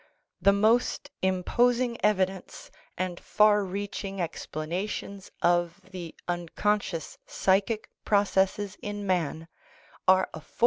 The most imposing evidence and far reaching explanations of the unconscious psychic processes in man are afforded by the Lit.